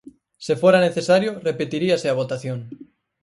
Se fora necesario, repetiríase a votación.